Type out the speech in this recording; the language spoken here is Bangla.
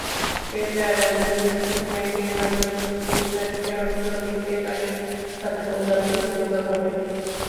ক্রেতারা যদি ব্যাংকের মাধ্যমে প্রতিষ্ঠানকে অর্থ দিতে পারেন, তাতে ভোগান্তি বন্ধ হবে।